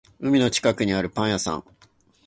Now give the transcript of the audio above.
海の近くにあるパン屋さん